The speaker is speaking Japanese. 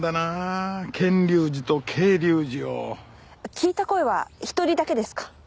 聞いた声は１人だけですか？